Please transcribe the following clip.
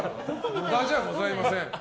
無駄じゃございません。